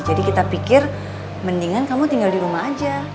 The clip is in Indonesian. jadi kita pikir mendingan kamu tinggal di rumah aja